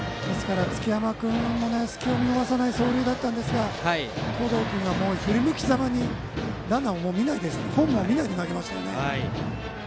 月山君も隙を見逃さない走塁でしたが登藤君が振り向きざまに、ランナーとホームも見ないで投げましたよね。